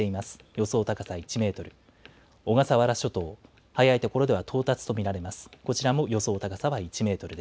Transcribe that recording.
予想高さ１メートル。